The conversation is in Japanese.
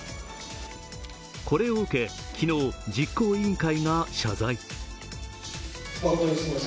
これを受け、昨日、実行委員会が謝罪。